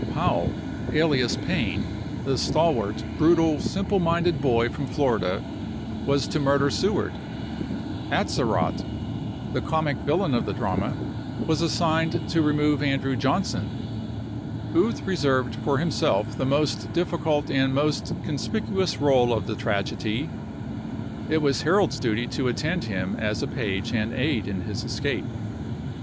Powell, alias Payne, the stalwart, brutal, simple minded boy from Florida, was to murder Seward; Atzerodt, the comic villain of the drama, was assigned to remove Andrew Johnson ; Booth reserved for him self the most difficult and most conspicuous role of the tragedy ; it was Herold's duty to attend him as a page and aid in his escape.